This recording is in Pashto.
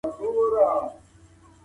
اسلام د ملکیت حق په سمه توګه تعریفوي.